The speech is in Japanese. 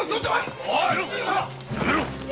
やめろ！